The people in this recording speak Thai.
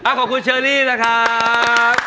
ขอบคุณเชอรี่นะครับ